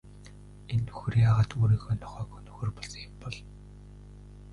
Энэ нөхөр яагаад өөрийнхөө нохойг хөнөөхөөр болсон юм бол?